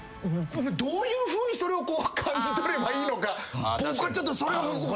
どういうふうにそれを感じ取ればいいのか僕ちょっとそれはむずくて。